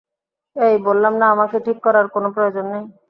অ্যাই, বললাম না, আমাকে ঠিক করার কোনো প্রয়োজন নেই।